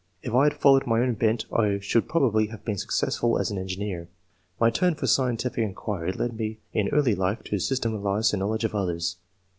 If I had followed my own bent, I should probably have been [successful as] an engineer. My turn for scientific inquiry led me in early life to sys .tematise and generalise the knowledge of others.